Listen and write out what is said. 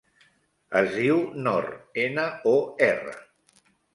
Es diu Nor: ena, o, erra.